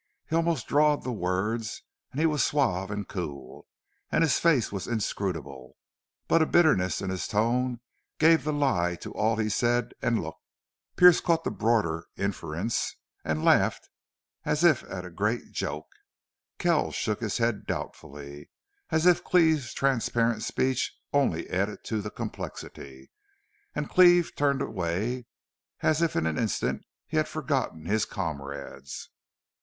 He almost drawled the words, and he was suave and cool, and his face was inscrutable, but a bitterness in his tone gave the lie to all he said and looked. Pearce caught the broader inference and laughed as if at a great joke. Kells shook his head doubtfully, as if Cleve's transparent speech only added to the complexity. And Cleve turned away, as if in an instant he had forgotten his comrades.